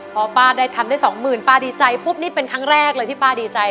พอป้าได้ทำได้สองหมื่นป้าดีใจปุ๊บนี่เป็นครั้งแรกเลยที่ป้าดีใจ